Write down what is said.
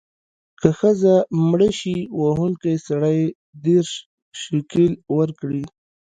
که ښځه مړه شي، وهونکی سړی دیرش شِکِل ورکړي.